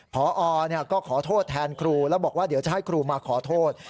พอก็ขอโทษแทนครูแล้วบอกว่าเดี๋ยวจะให้ครูมาขอโทษ